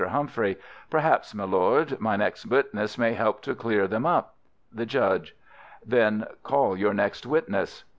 Humphrey: Perhaps, my lord, my next witness may help to clear them up. The Judge: Then call your next witness.